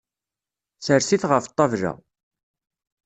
Sers-it ɣef ṭṭabla.